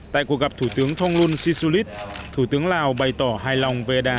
tại cuộc gặp thủ tướng thông luân sisulit thủ tướng lào bày tỏ hài lòng về đà